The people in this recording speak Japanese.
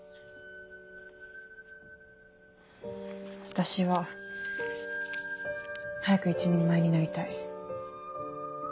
私は早く一人前になりたい。